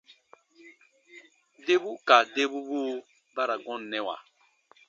Debu ka debubuu ba ra gɔnnɛwa.